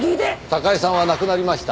高井さんは亡くなりました。